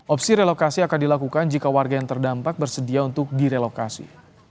opsi relokasi akan dilakukan jika warga yang terdampak bersedia untuk direlokasi